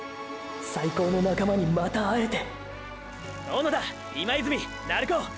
最高の仲間にまた会えて小野田今泉鳴子鏑木！！